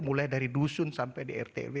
mulai dari dusun sampai di rt rw